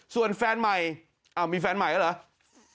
ส่วนแฟนใหม่อ้าวมีแฟนใหม่แล้วเหรอ